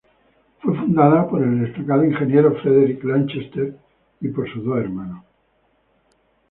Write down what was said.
Fue fundada por el destacado ingeniero Frederick Lanchester y por sus dos hermanos.